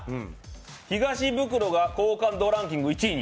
東ブクロが好感度ランキング１位に！